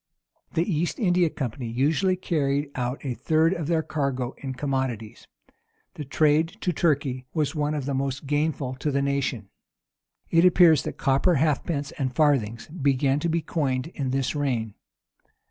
The East India company usually carried out a third of their cargo in commodities.[] The trade to Turkey was one of the most gainful to the nation. It appears that copper halfpence and farthings began to be coined in this reign.